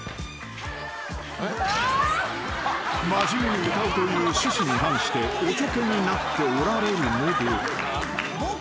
［真面目に歌うという趣旨に反しておちょけになっておられるので］